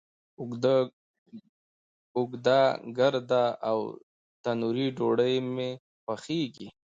اوږده، ګرده، او تنوری ډوډۍ می خوښیږی